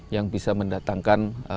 yang bisa mendatangkan